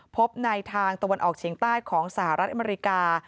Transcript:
พบในทางตะวันออกเฉียงใต้ของสหรัฐอเมริกา